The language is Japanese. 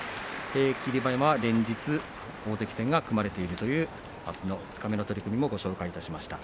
霧馬山は連日、大関戦が組まれているという二日目の取組もご紹介しました。